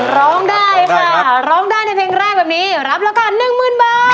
ร้องได้ค่ะร้องได้ในเพลงแรกแบบนี้รับแล้วกัน๑๐๐๐๐บาท